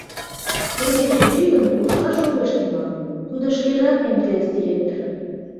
Федя чӱчӱ гын кошташ огеш тӱҥал, тудо шкежак МТС директор.